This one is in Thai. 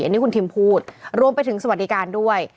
อันนี้คุณทิมพูดรวมไปถึงสวัสดิการด้วย